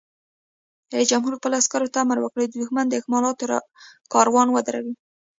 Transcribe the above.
رئیس جمهور خپلو عسکرو ته امر وکړ؛ د دښمن د اکمالاتو کاروان ودروئ!